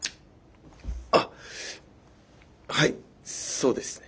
あはいそうですね。